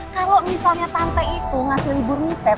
kalau misalnya tante itu ngasih libur miset